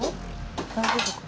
大丈夫かな。